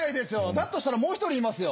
だとしたらもう一人いますよ。